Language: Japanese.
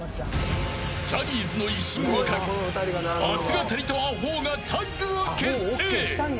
ジャニーズの威信をかけ熱語りとアホがタッグを結成。